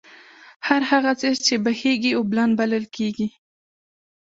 هر هغه څيز چې بهېږي، اوبلن بلل کيږي